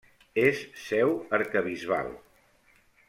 És seu arquebisbal.